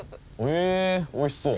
へえおいしそう！